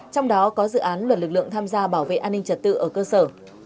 trong đó có dự án luật lực lượng tham gia bảo vệ an ninh trật tự ở cơ sở